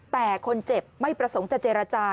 แต่คนเจ็บไม่ประสงค์จะเจรจา